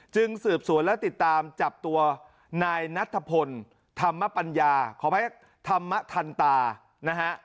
สืบสวนและติดตามจับตัวนายนัทพลธรรมปัญญาขออภัยธรรมทันตานะฮะ